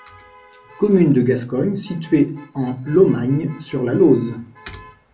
Commune de Gascogne située en Lomagne sur la Lauze.